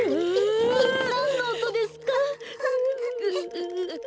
なんのおとですか？